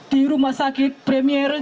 di rumah sakit premier